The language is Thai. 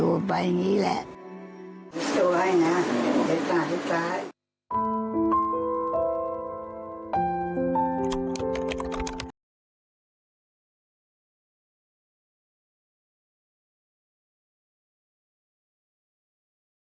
โปรดติดตามตอนต่อไป